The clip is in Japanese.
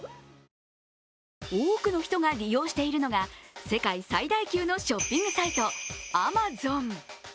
多くの人が利用しているのが世界最大級のショッピングサイト、アマゾン。